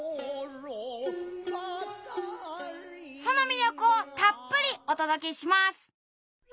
その魅力をたっぷりお届けします！